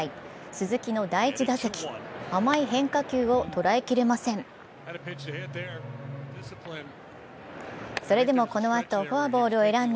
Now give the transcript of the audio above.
鈴木の第１打席甘い変化球を捉えきれません。